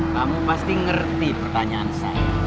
kamu pasti ngerti pertanyaan saya